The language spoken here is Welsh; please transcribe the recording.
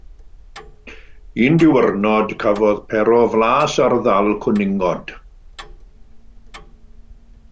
Un diwrnod, cafodd Pero flas ar ddal cwningod.